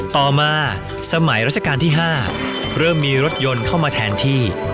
ต่อมาสมัยรัชกาลที่๕เริ่มมีรถยนต์เข้ามาแทนที่